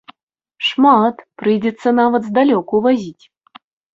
Шмат, прыйдзецца нават здалёку вазіць.